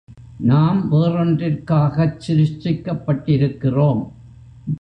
நாம் வேறொன்றிற்காகச் சிருஷ்டிக்கப்பட்டிருக்கிறோம்.